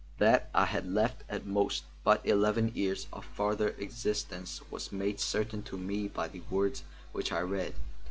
That I had left at most but eleven years of further existence was made certain to me by the words which I read.